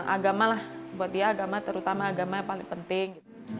agama lah buat dia agama terutama agama yang paling penting